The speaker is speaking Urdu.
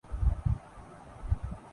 تو ایٹمی جنگ کا خطرہ کہاں سے آ گیا؟